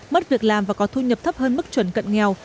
mất việc làm và có thu nhập thấp hơn mức chuẩn cận nghèo